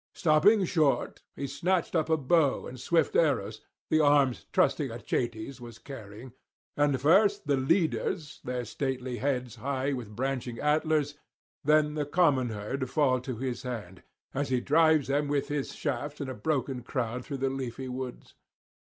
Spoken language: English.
Stopping short, he snatched up a bow and swift arrows, the arms trusty Achates was carrying; and first the leaders, their stately heads high with branching antlers, then the common [191 222]herd fall to his hand, as he drives them with his shafts in a broken crowd through the leafy woods.